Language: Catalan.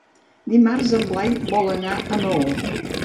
Dimarts en Blai vol anar a Maó.